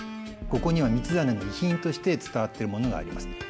ここには道真の遺品として伝わってるものがあります。